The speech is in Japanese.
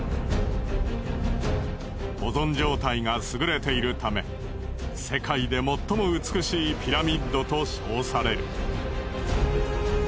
保存状態がすぐれているため世界で最も美しいピラミッドと称される。